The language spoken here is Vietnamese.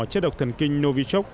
chất độc thần kinh novichok